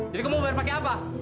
jadi kamu mau bayar pakai apa